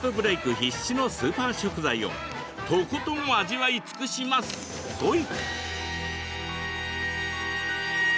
必至のスーパー食材をとことん味わい尽くしまソイ！